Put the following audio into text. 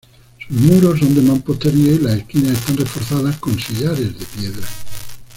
Sus muros son de mampostería, y las esquinas están reforzadas con sillares de piedra.